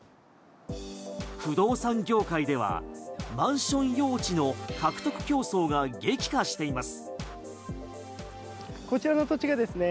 不動産業界ではマンション用地の獲得競争が激化しています。